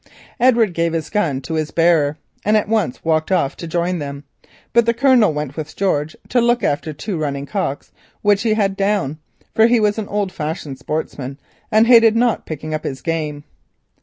Edward gave his gun to his bearer and at once walked off to join them, but the Colonel went with George to look after two running cocks which he had down, for he was an old fashioned sportsman, and hated not picking up his game.